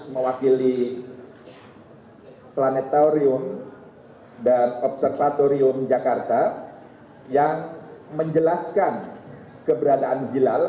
mewakili planetarium dan observatorium jakarta yang menjelaskan keberadaan hilal